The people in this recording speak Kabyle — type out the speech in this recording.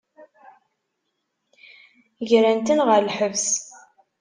Gran-ten ɣer lḥebs.